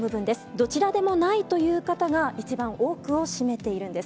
どちらでもないという方が、一番多くを占めているんです。